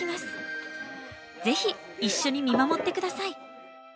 ぜひ一緒に見守って下さい。